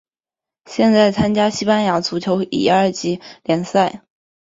现在参加西班牙足球乙二级联赛。